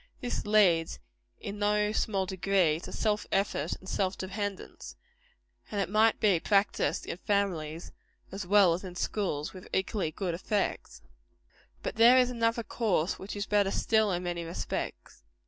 This leads, in no small degree, to self effort and self dependence; and might be practised in families as well as in schools, with equally good effects. But there is another course which is better still, in many respects.